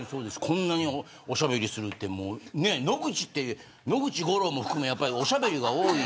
こんなにおしゃべりするって野口って野口五郎も含めやっぱりおしゃべりが多い。